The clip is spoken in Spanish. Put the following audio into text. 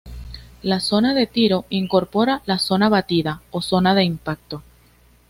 La zona de tiro incorpora la "zona batida" o zona de impacto.